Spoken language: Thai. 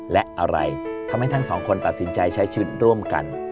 และอะไรทำให้ทั้งสองคนตัดสินใจใช้ชีวิตร่วมกัน